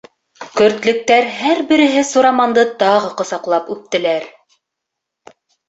Көртлөктәр һәр береһе Сураманды тағы ҡосаҡлап үптеләр.